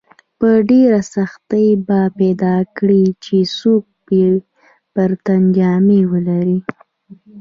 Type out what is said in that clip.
په ډېرې سختۍ به پیدا کړې چې څوک پر تن جامې ولري.